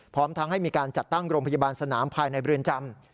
พร้อมทั้งให้มีการจัดตั้งโรงพยาบาลสนามภายในเรือนจำ